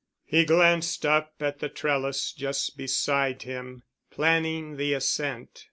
He glanced up at the trellis just beside him, planning the ascent.